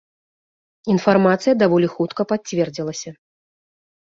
Інфармацыя даволі хутка пацвердзілася.